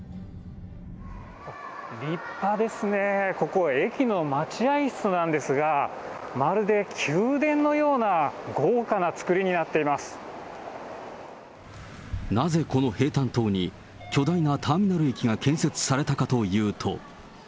立派ですね、ここ、駅の待合室なんですが、まるで宮殿のようなぜ、この平たん島に、巨大なターミナル駅が建設されたかというと。